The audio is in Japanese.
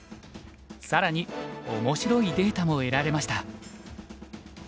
更に面白いデータも得られました。